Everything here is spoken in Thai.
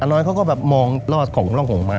อ้าน้อยเขาก็มองรอดของห่องหม้า